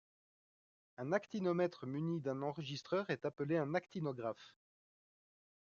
Un actinomètre muni d'un enregistreur est appelé un actinographe.